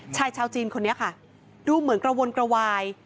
ชายชาวจีนคนนี้ค่ะดูเหมือนกระวนกระวาย